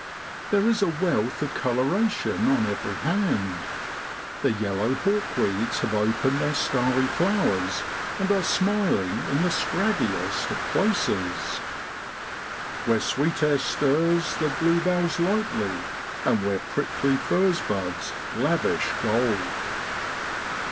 There is a wealth of colouration on every hand; the yellow hawkweeds have opened their starry flowers, and are smiling in the scraggiest of places, ' Where sweet air stirs The bluebells lightly, and where prickly furze Buds lavish gold.'